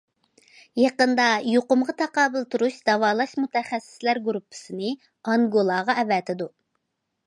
يېقىندا يۇقۇمغا تاقابىل تۇرۇش داۋالاش مۇتەخەسسىسلەر گۇرۇپپىسىنى ئانگولاغا ئەۋەتىدۇ.